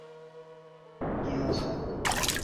韦泽龙斯屈尔坦人口变化图示